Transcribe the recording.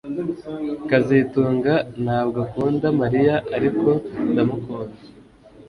kazitunga ntabwo akunda Mariya ariko ndamukunda